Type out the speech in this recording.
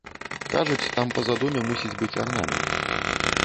Кажуць, там па задуме мусіць быць арнамент.